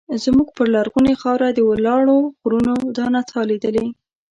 زموږ پر لرغونې خاوره ولاړو غرونو دا نڅا لیدلې.